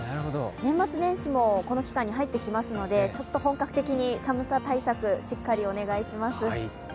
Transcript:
年末年始もこの期間に入ってきますので、本格的に寒さ対策、しっかりお願いします。